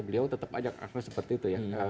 beliau tetap ajak akma seperti itu ya